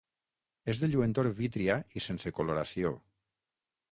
És de lluentor vítria i sense coloració.